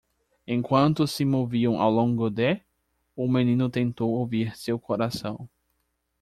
Enquanto se moviam ao longo de?, o menino tentou ouvir seu coração.